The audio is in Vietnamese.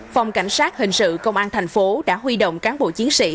phòng cảnh sát hình sự công an tp hcm đã huy động cán bộ chiến sĩ